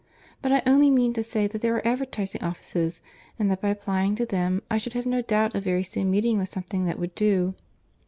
But I only mean to say that there are advertising offices, and that by applying to them I should have no doubt of very soon meeting with something that would do."